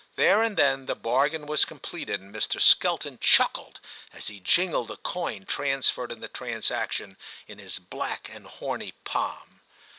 There and then the bargain was completed, and Mr. Skelton chuckled as he jingled the coin transferred in the transaction, in his black and horny palm.